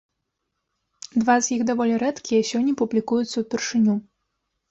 Два з іх даволі рэдкія і сёння публікуюцца ўпершыню.